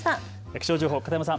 気象情報、片山さん